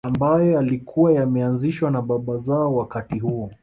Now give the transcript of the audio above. Ambayo yalikuwa yameanzishwa na baba zao wakati huo